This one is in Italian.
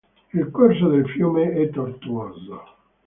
Il corso del fiume è tortuoso.